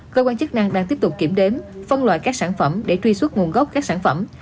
cơ quan chức năng đang tiếp tục kiểm đếm phân loại các sản phẩm để truy xuất nguồn gốc các sản phẩm